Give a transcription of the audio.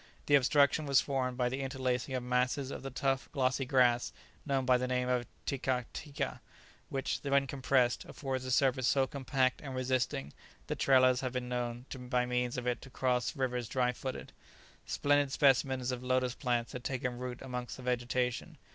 The obstruction was formed by the interlacing of masses of the tough, glossy grass known by the name of tikatika, which, when compressed, affords a surface so compact and resisting that travellers have been known by means of it to cross rivers dry footed. Splendid specimens of lotus plants had taken root amongst the vegetation.